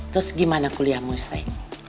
terus gimana kuliahmu shay